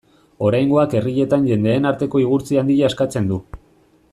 Oraingoak herrietan jendeen arteko igurtzi handia eskatzen du.